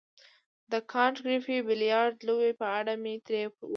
د کانت ګریفي د بیلیارډ لوبې په اړه مې ترې وپوښتل.